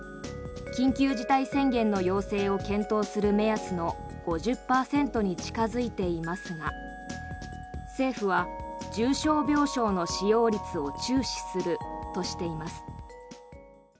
緊急事態宣言の要請を検討する目安の５０％に近付いていますが政府は重症病床の使用率を注視するとしています。